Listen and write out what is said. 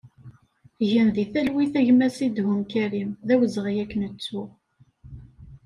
Gen di talwit a gma Sidhum Karim, d awezɣi ad k-nettu!